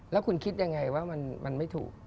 แล้วคุณคิดยังไงว่ามันไม่ถูก